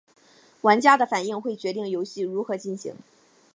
玩家的反应会决定游戏如何进行。